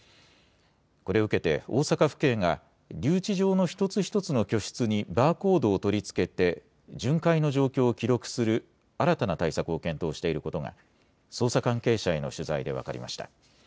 これを受けて、大阪府警が留置場の一つ一つの居室にバーコードを取り付けて、巡回の状況を記録する新たな対策を検討していることが、捜査関係者への取材で分かりました。